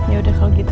yaudah kalau gitu